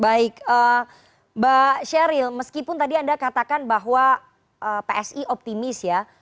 baik mbak sheryl meskipun tadi anda katakan bahwa psi optimis ya